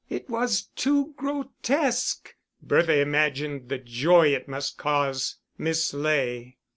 It was too grotesque. Bertha imagined the joy it must cause Miss Ley.